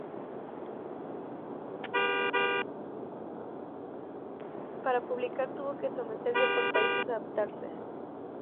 Para publicar, tuvo que moverse por países, adaptarse.